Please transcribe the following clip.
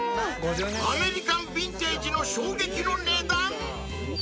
［アメリカンビンテージの衝撃の値段⁉］